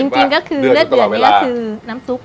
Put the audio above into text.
จริงก็คือเลือดเดือดนี้ก็คือน้ำซุป